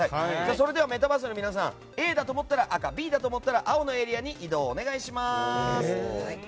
それではメタバースの皆さんＡだと思ったら赤Ｂだと思ったら青のエリアに移動お願いします。